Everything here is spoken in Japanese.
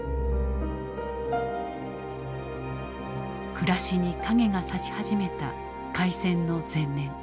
暮らしに影が差し始めた開戦の前年。